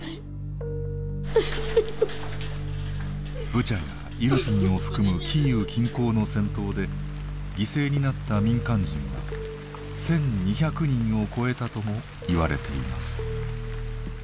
ブチャやイルピンを含むキーウ近郊の戦闘で犠牲になった民間人は１，２００人を超えたともいわれています。